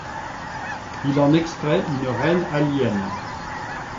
Ils en extraient une Reine alien.